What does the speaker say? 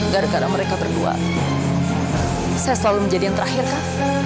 gara gara mereka berdua saya selalu menjadi yang terakhir kak